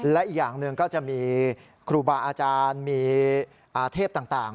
และอีกอย่างหนึ่งก็จะมีครูบาอาจารย์มีเทพต่าง